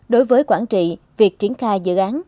đối với quảng trị việc triển khai dự án